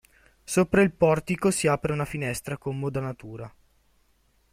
Sopra il portico si apre una finestra con modanatura.